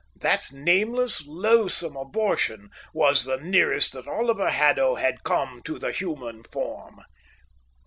That nameless, loathsome abortion was the nearest that Oliver Haddo had come to the human form.